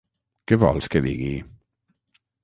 Què vols que digui?